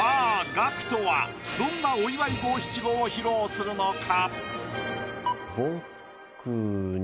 ＧＡＣＫＴはどんなお祝い５・７・５を披露するのか？